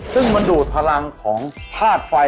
ซึ่งมันดูดพลังของธาตุไฟ